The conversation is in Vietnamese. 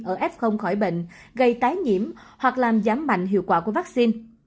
ở f khỏi bệnh gây tái nhiễm hoặc làm giảm mạnh hiệu quả của vaccine